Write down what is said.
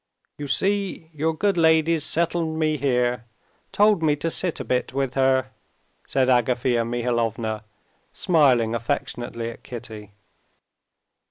"You see, your good lady's settled me here, told me to sit a bit with her," said Agafea Mihalovna, smiling affectionately at Kitty.